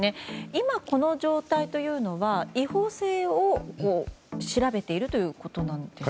今、この状態というのは違法性を調べているということなんですか。